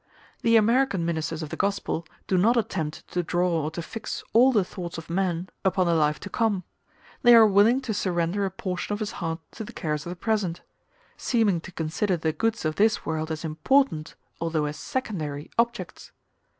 The American ministers of the gospel do not attempt to draw or to fix all the thoughts of man upon the life to come; they are willing to surrender a portion of his heart to the cares of the present; seeming to consider the goods of this world as important, although as secondary, objects.